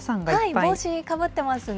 帽子、かぶってますね。